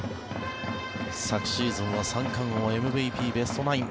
昨シーズンは三冠王、ＭＶＰベストナイン。